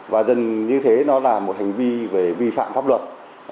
và dần như thế nó là một hành vi về vi phạm pháp luật